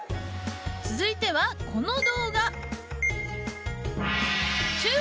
続いてはこの動画。